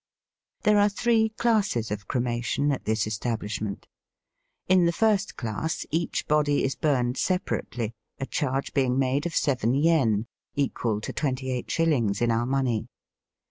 There are three classes of cremation at this establishment. In the first class each body is burned separately, a charge being made of seven yen, equal to twenty eight shillings in our money.